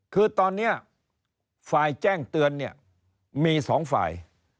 คือตอนนี้ฝ่ายแจ้งเตือนเนี่ยมีสองฝ่าย